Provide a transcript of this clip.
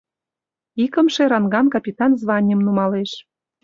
Икымше ранган капитан званийым нумалеш.